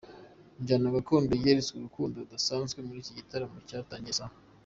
njyana Gakondo yeretswe urukundo rudasanzwe muri iki gitaramo cyatangiye saa.